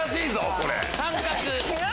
これ。